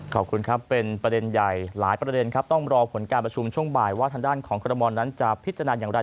ขอบคุณครับเป็นประเด็นใหญ่หลายประเด็นครับต้องรอผลการประชุมช่วงบ่ายว่าทางด้านของคอรมอลนั้นจะพิจารณาอย่างไร